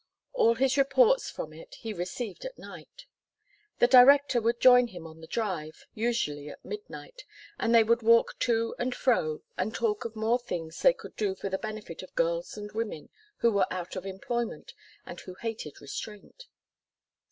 All his reports from it he received at night. The director would join him on the Drive, usually at midnight, and they would walk to and fro and talk of more things they could do for the benefit of girls and women who were out of employment, and who hated restraint.